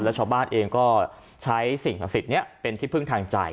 แล้วชาวบ้านเองก็ใช้สิ่งศักดิ์สิทธิ์นี้เป็นที่พึ่งทางใจ